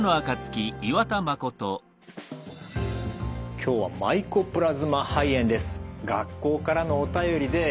今日はマイコプラズマ肺炎です。